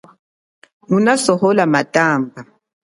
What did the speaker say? Nguna sohola matamba.